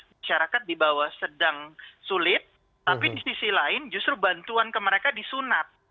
masyarakat di bawah sedang sulit tapi di sisi lain justru bantuan ke mereka disunat